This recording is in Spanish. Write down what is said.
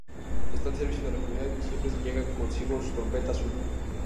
Está al servicio de la comunidad y siempre lleva consigo su trompeta azul.